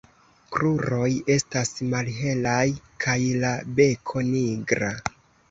Kruroj estas malhelaj kaj la beko nigra.